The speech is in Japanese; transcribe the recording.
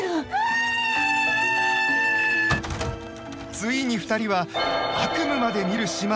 ついに２人は悪夢まで見る始末。